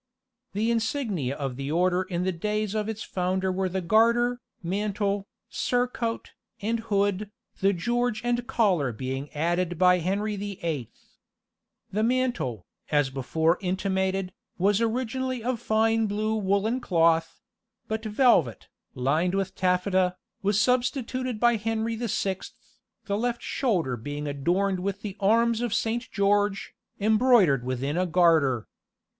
The insignia of the Order in the days of its founder were the garter, mantle, surcoat, and hood, the George and collar being added by Henry the Eighth. The mantle, as before intimated, was originally of fine blue woollen cloth; but velvet, lined with taffeta, was substituted by Henry the Sixth, the left shoulder being adorned with the arms of Saint George, embroidered within a garter.